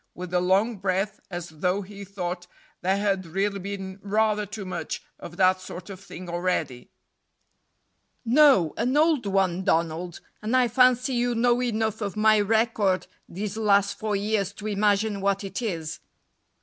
with a long breath, as though he thought there had really been rather too much of that sort of thing already. "No, an old one, Donald, and I fancy you know enough of my record these last four years to imagine what it is."